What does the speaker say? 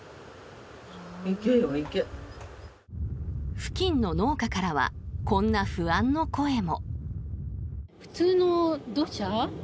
付近の農家からはこんな不安の声も。